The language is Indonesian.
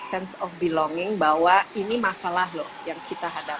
sense of belonging bahwa ini masalah loh yang kita hadapi